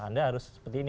anda harus seperti ini